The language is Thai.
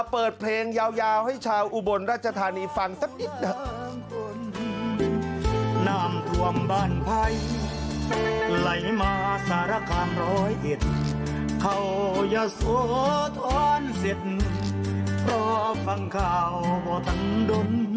เปิดเพลงยาวให้ชาวอุบลราชธานีฟังสักนิดหนึ่ง